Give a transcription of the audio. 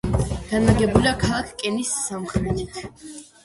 განლაგებულია ქალაქ კენის სამხრეთით.